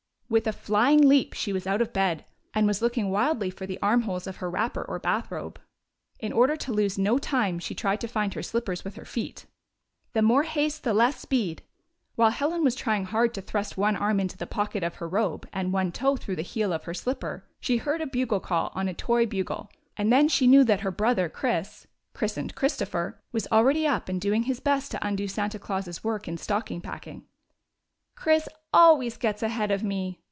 With a flying leap she was out of bed, and was looking wildly for the armholes of her wrapper or bath robe. In order to lose no time, she tried to find her slippers with her feet. " The more haste, the less speed." While Helen was trying hard to thrust one arm into the pocket of her robe and one toe through the heel of her slipper, she heard a bugle call on a toy bugle, and then she knew that her brother 35 GYPSY, THE TALKING DOG Chris — christened Christopher — was already up and doing liis best to undo Santa Claus' work in stocking packing. " Chris always gets ahead of me